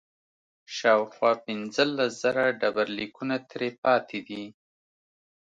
شاوخوا پنځلس زره ډبرلیکونه ترې پاتې دي